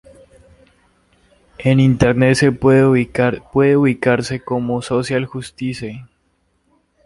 En Internet puede ubicarse como "Social justice".